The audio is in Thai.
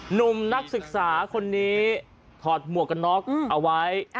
หนุ่มนักศึกษาคนนี้ถอดหมวกกันน็อกเอาไว้